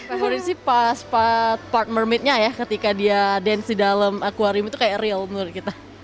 favorit sih pas part mermaidnya ya ketika dia dance di dalam aquarium itu kayak real menurut kita